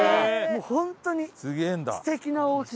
もう本当に。